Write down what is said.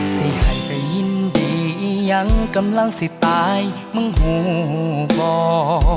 สิหายไปยินดียังกำลังสิตายมึงหูบอก